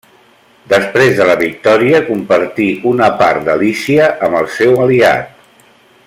Després de la victòria compartí una part de Lícia amb el seu aliat.